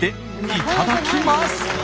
いただきます。